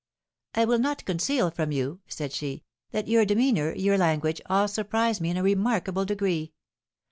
"I will not conceal from you," said she, "that your demeanour, your language, all surprise me in a remarkable degree.